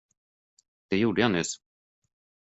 Det gjorde jag nyss.